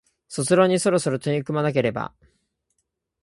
卒論にそろそろ取り組まなければ